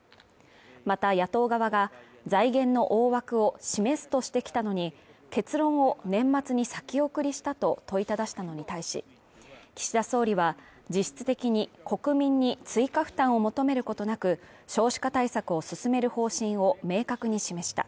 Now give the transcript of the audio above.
また野党側が財源の大枠を示すとしてきたのに、結論を年末に先送りしたと問いただしたのに対し、岸田総理は、実質的に国民に追加負担を求めることなく少子化対策を進める方針を明確に示した。